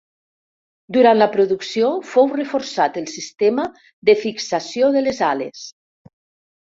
Durant la producció, fou reforçat el sistema de fixació de les ales.